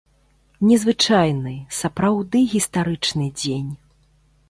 Незвычайны, сапраўды гістарычны дзень!